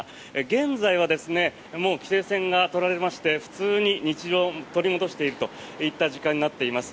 現在はもう規制線が取られまして普通の日常を取り戻しているといった時間になっています。